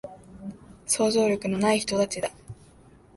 想像力のない人たちだ